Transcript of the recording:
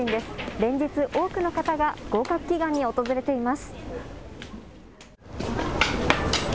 連日、多くの方が合格祈願に訪れています。